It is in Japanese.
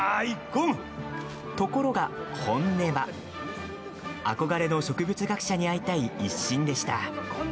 ところが本音は憧れの植物学者に会いたい一心でした。